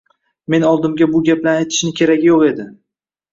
Meni oldimda bu gaplarni aytishni keragi yo'q edi.